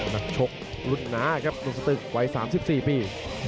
นักชกรุ่นน้าครับลุงสตึกวัย๓๔ปี